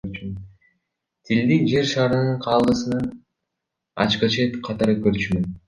Тилди Жер шарынын каалгасынын ачкычы катары көрчүмүн.